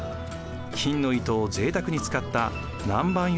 金の糸をぜいたくに使った南蛮